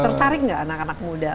tertarik nggak anak anak muda